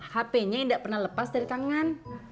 hp nya tidak pernah lepas dari tangan